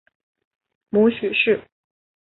母许氏。